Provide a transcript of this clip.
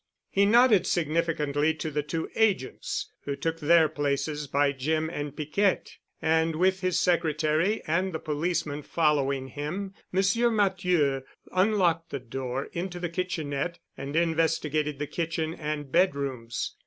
He nodded significantly to the two Agents, who took their places by Jim and Piquette, and with his secretary and the policeman following him, M. Matthieu unlocked the door into the kitchenette and investigated the kitchen and bedrooms.